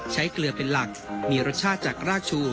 เกลือเป็นหลักมีรสชาติจากรากชู